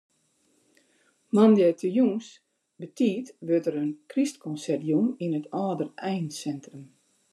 Moandei de jûns betiid wurdt der in krystkonsert jûn yn it âldereinsintrum.